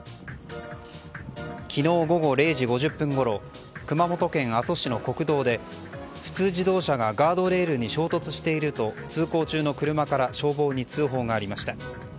昨日午後０時５０分ごろ熊本県阿蘇市の国道で普通自動車がガードレールに衝突していると通行中の車から消防に通報がありました。